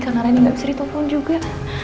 karena andi gak bisa ditelpon juga